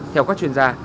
theo các chuyên gia